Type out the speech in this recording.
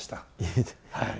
はい。